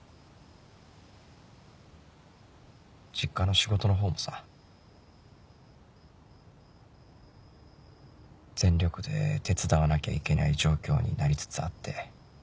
実家の仕事のほうもさ全力で手伝わなきゃいけない状況になりつつあって。